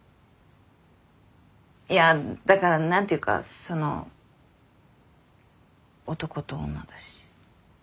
いやだから何ていうかその男と女だし。